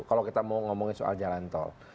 kalau kita mau ngomongin soal jalan tol